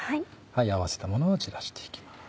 合わせたものを散らして行きます。